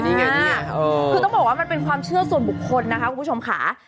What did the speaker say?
นี่ไงเนี่ยคือต้องบอกว่ามันเป็นความเชื่อส่วนบุคคลนะคะคุณผู้ชมค่ะ